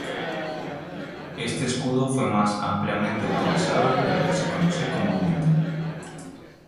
Este escudo fue más ampliamente utilizado de lo que se conoce comúnmente.